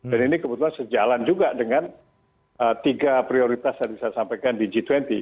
dan ini kebetulan sejalan juga dengan tiga prioritas yang bisa saya sampaikan di g dua puluh